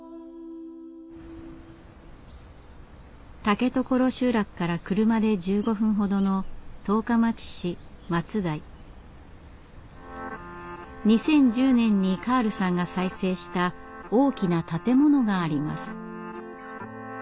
竹所集落から車で１５分ほどの２０１０年にカールさんが再生した大きな建物があります。